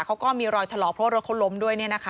เขาก็มีรอยถลอกเพราะว่ารถเขาล้มด้วย